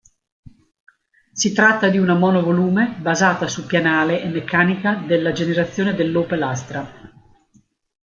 Si tratta di una monovolume basata su pianale e meccanica della generazione dell'Opel Astra.